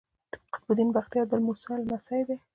قطب الدین بختیار د موسی لمسی دﺉ.